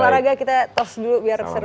salam olahraga kita tos dulu biar seru